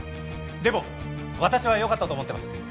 でも私はよかったと思ってます。